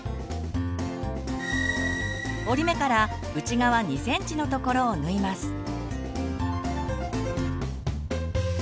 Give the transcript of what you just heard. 折り目から内側２ｃｍのところを縫います。